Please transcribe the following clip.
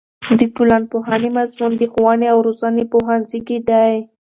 د ټولنپوهنې مضمون په ښوونې او روزنې پوهنځي کې دی.